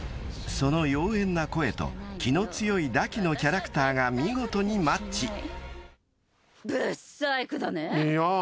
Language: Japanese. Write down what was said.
［その妖艶な声と気の強い堕姫のキャラクターが見事にマッチ］